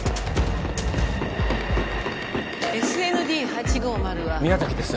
ＳＮＤ８５０は宮崎です